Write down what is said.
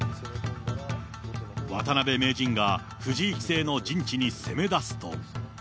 渡辺名人が藤井棋聖の陣地に攻めだすと。